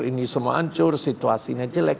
ini semua hancur situasinya jelek